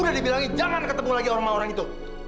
udah dibilangi jangan ketemu lagi orang orang itu